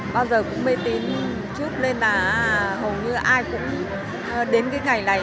bao giờ cũng mê tín chút lên là hầu như ai cũng đến cái ngày này